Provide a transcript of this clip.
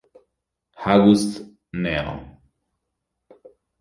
August Neo